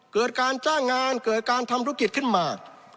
เกิดการจ้างงานเกิดการทำธุรกิจขึ้นมา